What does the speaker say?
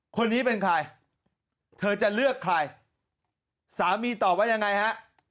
คนนี้เป็นใครเธอจะเลือกใครสามีตอบว่ายังไงฮะ